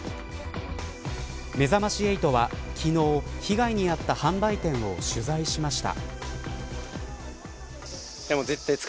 めざまし８は昨日被害に遭った販売店を取材しました。